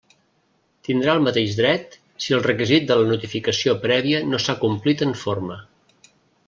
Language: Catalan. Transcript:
Tindrà el mateix dret si el requisit de la notificació prèvia no s'ha complit en forma.